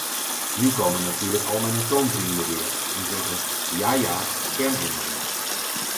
Nu komen natuurlijk al mijn atoomvrienden weer en zeggen: ja, ja, kernenergie.